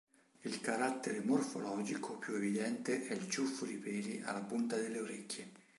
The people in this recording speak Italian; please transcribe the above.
Il carattere morfologico più evidente è il ciuffo di peli alla punta delle orecchie.